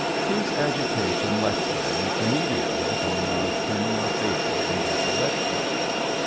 His agitation left him immediately upon our turning our faces in that direction.